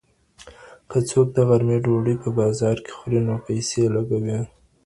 که څوک د غرمې ډوډۍ په بازار کي خوري نو پیسې لګوي.